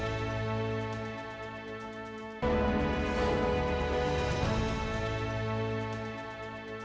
dan membuatnya lebih baik